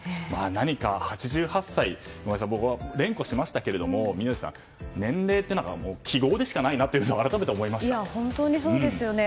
８８歳と僕、連呼しましたが宮司さん、年齢って記号でしかないなと本当にそうですよね。